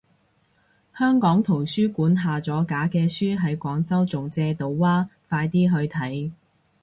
香港圖書館下咗架啲書喺廣州仲借到啊，快啲去睇